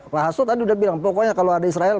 pak hasto tadi udah bilang pokoknya kalau ada israel